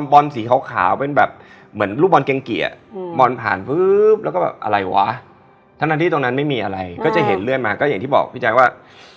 เราไปเหยียบอะไรตรงไหนหรือเปล่า